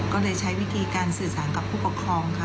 ก็เลยใช้วิธีการสื่อสารกับผู้ปกครองค่ะ